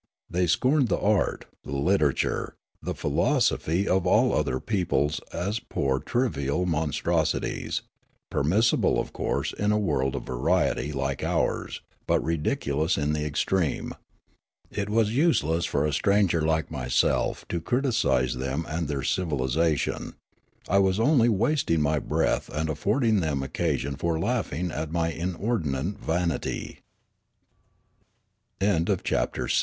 They scorned the art, the literature, the philo sophy of all other peoples as poor trivial monstrosi ties, permissible, of course, in a world of variety like ours, but ridiculous in the extreme. It was useless for a stranger like myself to criticise them and their civil isation ; I was only wasting my breath and affording them occasion fo